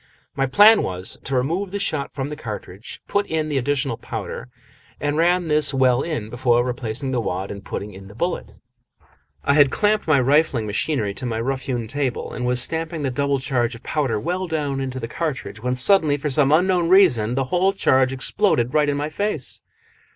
My plan was to remove the shot from the cartridge, put in the additional powder, and ram this well in before replacing the wad and putting in the bullet. I had clamped my refilling machine to my rough hewn table, and was stamping the double charge of powder well down into the cartridge, when suddenly, for some unknown reason, the whole charge exploded right into my face.